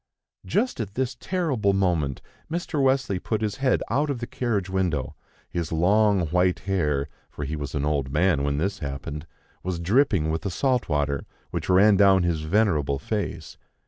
Just at this terrible moment, Mr. Wesley put his head out of the carriage window; his long white hair for he was an old man when this happened was dripping with the salt water, which ran down his venerable face.